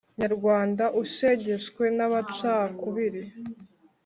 nyarwanda ushegeshwe n’amacakubiri.